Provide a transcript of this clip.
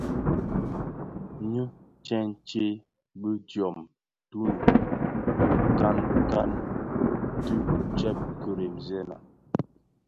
Nyi tsèntsé bi diom tunun bi nkankan, ti ted kiremzèna.